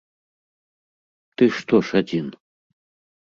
Ты што ж адзін?